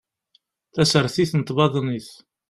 Tasertit n tbaḍnit